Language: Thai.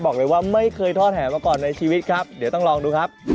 บอกเลยว่าไม่เคยทอดแหมาก่อนในชีวิตครับเดี๋ยวต้องลองดูครับ